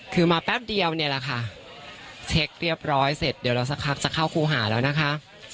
คือมาแป๊บเดียวเนี่ยแหละค่ะเช็คเรียบร้อยเสร็จเดี๋ยวเราสักพักจะเข้าครูหาแล้วนะคะ